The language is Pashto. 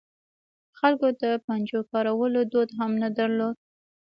خلکو د پنجو کارولو دود هم نه درلود.